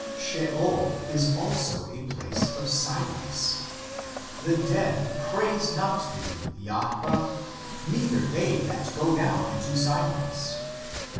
Sheol is also a place of silence :" the dead praise not thee, Jahwe ; neither they that go down into silence" (Ps.